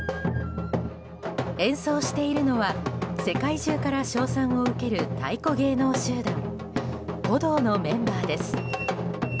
演奏しているのは世界中から称賛を受ける太鼓芸能集団鼓童のメンバーです。